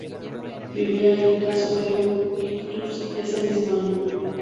Vivía allí tras sufrir un ictus ese mismo año.